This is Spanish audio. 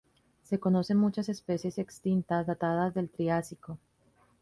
Se conocen muchas especies extintas, datadas del Triásico.